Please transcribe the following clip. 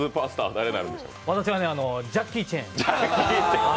私はジャッキー・チェーン。